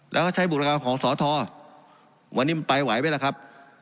แล้วก็ใช้บุตรการของสอทอวันนี้มันไปไหวไหมล่ะครับ